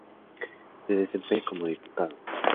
Se desempeña como diputado.